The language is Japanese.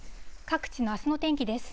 各地のあすの天気です。